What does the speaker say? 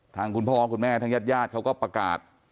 คุณพ่อคุณแม่ทางญาติญาติเขาก็ประกาศ